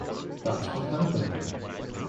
That's what happened.